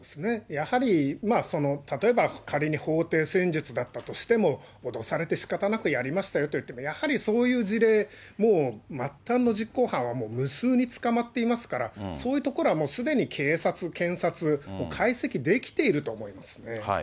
やはり、例えば、仮に法廷戦術だったとしても、脅されてしかたなくやりましたよっていっても、やはりそういう事例、もう末端の実行犯はもう無数に捕まっていますから、そういうところはすでに警察、検察、解析できていると思いますね。